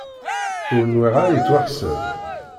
Ur nwiɣ ara yettwaḥsab.